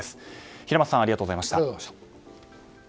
平松さんありがとうございました。